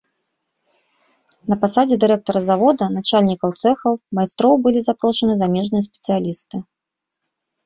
На пасадзе дырэктара завода, начальнікаў цэхаў, майстроў былі запрошаны замежныя спецыялісты.